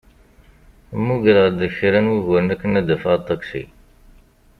Mmugreɣ-d kra n wuguren akken ad d-afeɣ aṭaksi.